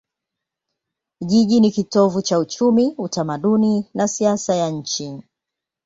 Jiji ni kitovu cha uchumi, utamaduni na siasa ya nchi.